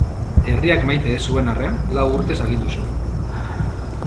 Herriak maite ez zuen arren, lau urtez agindu zuen.